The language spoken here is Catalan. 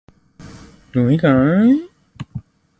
De qui era descendent?